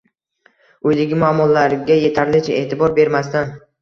«uydagi muammolar»ga yetarlicha e’tibor bermasdan